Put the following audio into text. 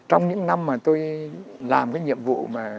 trong những năm mà tôi làm cái nhiệm vụ mà